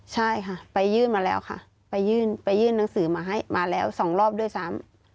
ใช่ค่ะไปยื่นมาแล้วค่ะไปยื่นหนังสือมาให้มาแล้ว๒รอบด้วยซ้ำ